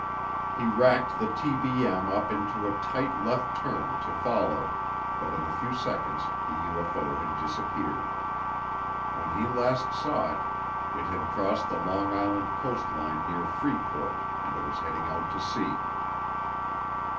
He racked the TBM up into a tight left turn to follow, but in a few seconds the UFO had disappeared. When he last saw it, it had crossed the Long Island coast line near Freeport and it was heading out to sea.